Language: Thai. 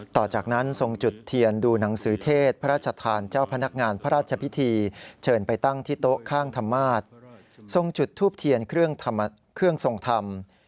ต่อจากนั้นทรงจุดเทียนดูหนังสือเทศพระราชทานเจ้าพนักงานพระราชพิธีเชิญไปตั้งที่โต๊ะข้างธรรมาศทรงจุดทูบเทียนเครื่องทรงธรรม